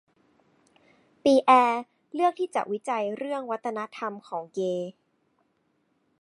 ปีแอร์เลือกที่จะวิจัยเรื่องวัฒนธรรมของเกย์